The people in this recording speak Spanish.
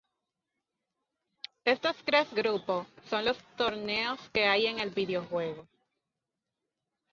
Estos tres grupos son los torneos que hay en el videojuego.